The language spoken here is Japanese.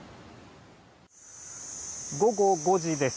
午後５時です。